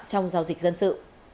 trong giao dịch dân sự